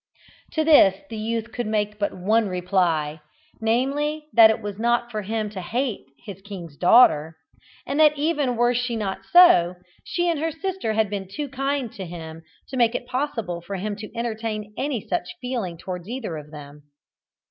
To this the youth could make but one reply, namely, that it was not for him to hate his king's daughter, and that even were she not so, she and her sister had been too kind to him to make it possible for him to entertain any such feeling towards either of them.